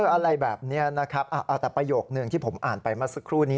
อะไรแบบนี้นะครับแต่ประโยคนึงที่ผมอ่านไปเมื่อสักครู่นี้